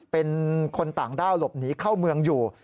เป็นคนต่างด้าวหลบหนีเข้าเมืองอยู่